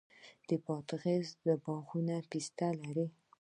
د بادغیس باغونه پسته لري.